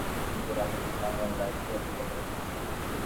কিন্তু এর আগেই তাঁরা মামলার রায় কী হবে, তা বলে দিচ্ছেন।